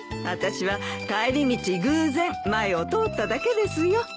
私は帰り道偶然前を通っただけですよ。